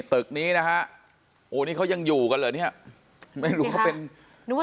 ตึกนี้นะฮะโอ้นี่เขายังอยู่กันเหรอเนี่ยไม่รู้ว่าเป็นหรือว่า